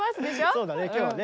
そうだね今日はね！